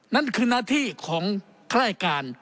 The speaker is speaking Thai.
นั่นคือหน้าที่ของค่ายการ